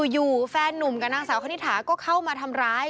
อยู่แฟนนุ่มกับนางสาวคณิตถาก็เข้ามาทำร้าย